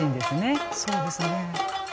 そうですね。